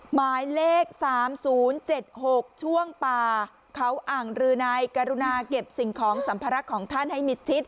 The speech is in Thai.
หมายเลข๓๐๗๖ช่วงป่าเขาอ่างรือนายกรุณาเก็บสิ่งของสัมภาระของท่านให้มิดชิด